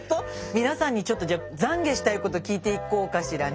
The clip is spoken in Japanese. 皆さんにちょっとじゃ懺悔したいこと聞いていこうかしらね。